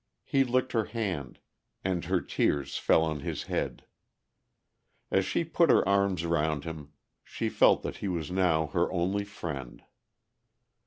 He licked her hand, and her tears fell on his head. As she put her arms round him, she felt that he was now her only friend.